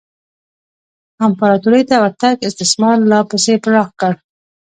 امپراتورۍ ته ورتګ استثمار لا پسې پراخ کړ.